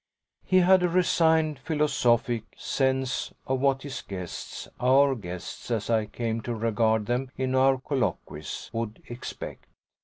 He had a resigned philosophic sense of what his guests our guests, as I came to regard them in our colloquies would expect.